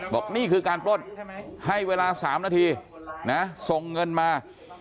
นี่คือการปล้นให้เวลา๓นาทีนะส่งเงินมา